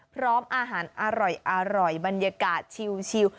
พร้อมอาหารอร่อยบรรยากาศชิว